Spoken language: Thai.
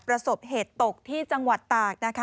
ประสบเหตุตกที่จังหวัดตากนะคะ